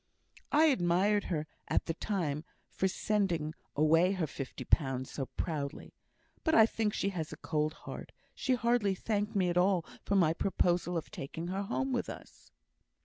"I admired her at the time for sending away her fifty pounds so proudly; but I think she has a cold heart: she hardly thanked me at all for my proposal of taking her home with us."